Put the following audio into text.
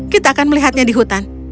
kita akan melihatnya di hutan